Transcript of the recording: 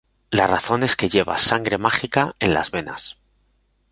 La razón es que llevas sangre mágica en las venas.